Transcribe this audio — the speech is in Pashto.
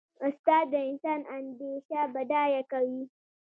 استاد د انسان اندیشه بډایه کوي.